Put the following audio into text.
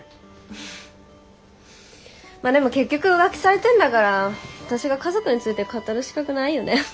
まあでも結局浮気されてんだから私が家族について語る資格ないよね。